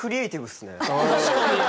確かに。